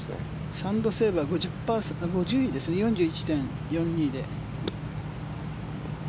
サンドの水分は４１．４２で。